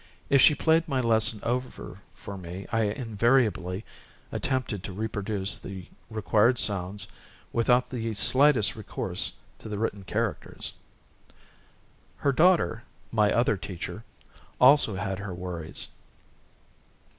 If she played my lesson over for me, I invariably attempted to reproduce the required sounds without the slightest recourse to the written characters. Her daughter, my other teacher, also had her worries.